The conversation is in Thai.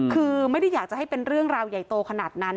คือไม่ได้อยากจะให้เป็นเรื่องราวใหญ่โตขนาดนั้น